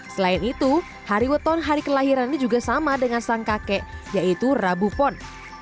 selain itu hari weton hari kelahiran ini juga sama dengan sang kakek yaitu rabupon